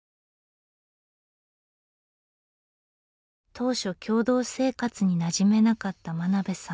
当初共同生活になじめなかった真鍋さん。